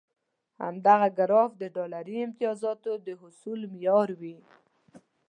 همدغه ګراف د ډالري امتیازاتو د حصول معیار وي.